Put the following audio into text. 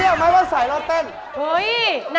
เชื่อไหมว่าสายตกเพิ่งเต้น